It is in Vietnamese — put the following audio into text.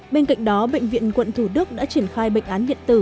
bên cạnh đó bệnh viện quận thủ đức đã triển khai bệnh án điện tử